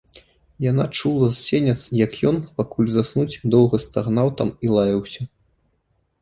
Яна чула з сянец, як ён, пакуль заснуць, доўга стагнаў там і лаяўся.